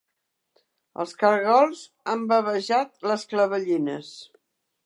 Els cargols han bavejat les clavellines.